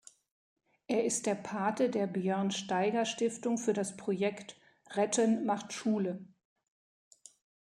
Er ist Pate der Björn-Steiger-Stiftung für das Projekt "„Retten macht Schule“".